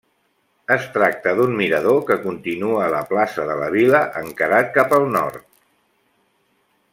Es tracta d'un mirador que continua la plaça de la Vila, encarat cap al nord.